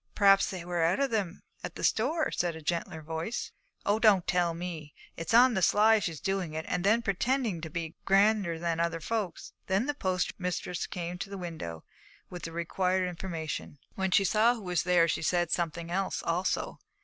'Perhaps they were out of them at the store,' said a gentler voice. 'Oh, don't tell me. It's on the sly she's doing it, and then pretending to be grander than other folks.' Then the postmistress came to the window with the required information. When she saw who was there, she said something else also.